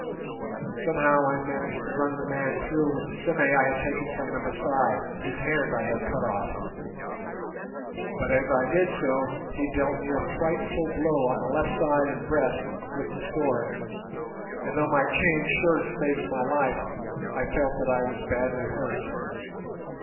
Somehow I managed to run the man through with the sime I had taken from the Masai whose hand I had cut off; but as I did so, he dealt me a frightful blow on the left side and breast with the sword, and though my chain shirt saved my life, I felt that I was badly hurt.